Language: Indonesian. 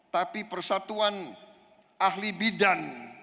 tapi persatuan ahli bidan